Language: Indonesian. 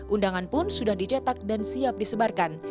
undangan pun sudah dicetak dan siap disebarkan